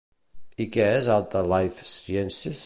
I què és Alta Life Sciences?